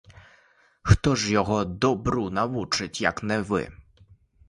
Хто ж його добру навчить, як не ви!